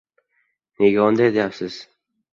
— Nega unday deysiz?